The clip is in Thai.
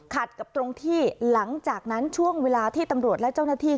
กับตรงที่หลังจากนั้นช่วงเวลาที่ตำรวจและเจ้าหน้าที่